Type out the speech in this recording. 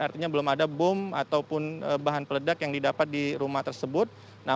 artinya belum ada bom ataupun bahan peledak yang didapat di rumah tersebut